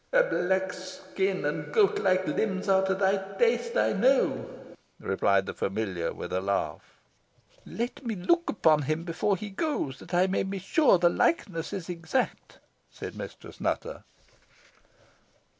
"A black skin and goat like limbs are to thy taste, I know," replied the familiar, with a laugh. "Let me look upon him before he goes, that I may be sure the likeness is exact," said Mistress Nutter.